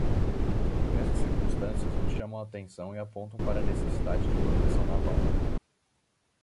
Essas circunstâncias nos chamam a atenção e apontam para a necessidade de proteção naval.